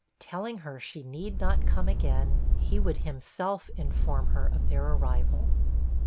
Telling her she need not come again; he would himself inform her of their arrival.